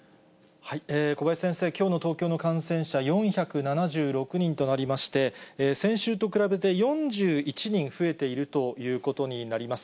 小林先生、きょうの東京の感染者、４７６人となりまして、先週と比べて４１人増えているということになります。